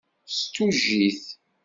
S tujjit.